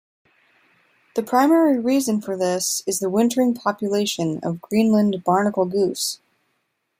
The primary reason for this is the wintering population of Greenland barnacle goose.